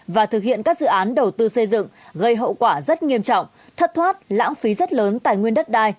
và thực hiện các dự án đầu tư xây dựng gây hậu quả rất nghiêm trọng thất thoát lãng phí rất lớn tài nguyên đất đai